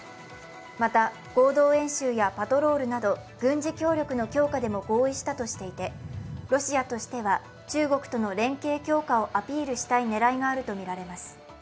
また、合同演習やパトロールなど軍事協力の強化でも合意したとしていてロシアとしては中国との連携強化をアピールしたいねらいがあるとみられます。